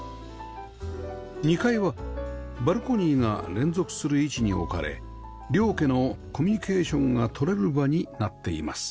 ２階はバルコニーが連続する位置に置かれ両家のコミュニケーションが取れる場になっています